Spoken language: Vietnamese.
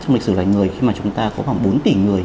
trong lịch sử loài người khi mà chúng ta có khoảng bốn tỷ người